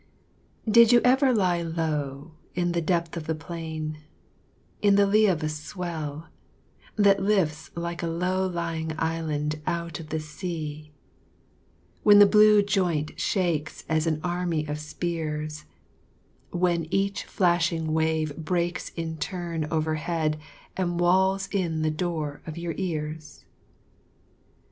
Did you ever lie low In the depth of the plain, & In the lee of a swell that lifts Like a low lying island out of the sea, When the blue joint shakes As an army of spears; When each flashing wave breaks In turn overhead And wails in the door of your ears